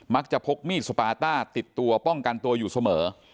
พกมีดสปาต้าติดตัวป้องกันตัวอยู่เสมอ